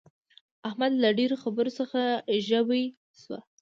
د احمد له ډېرو خبرو څخه ژبۍ شوه.